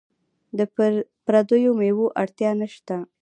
د پردیو میوو اړتیا نشته.